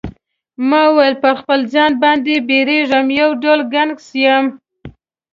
ما وویل پر خپل ځان باندی بیریږم یو ډول ګنګس یم.